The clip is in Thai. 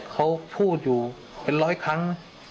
เขาพูดอยู่เป็นร้อยครั้ง